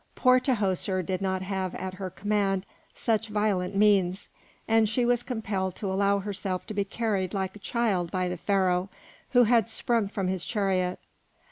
Poor Tahoser did not have at her command such violent means, and she was compelled to allow herself to be carried like a child by the Pharaoh, who had sprung from his chariot.